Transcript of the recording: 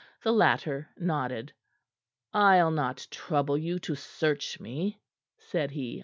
The latter nodded. "I'll not trouble you to search me," said he.